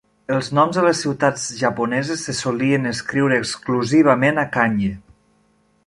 Els noms de les ciutats japoneses se solien escriure exclusivament a Kanji.